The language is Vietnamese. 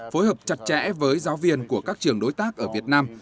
phối hợp chặt chẽ với giáo viên của các trường đối tác ở việt nam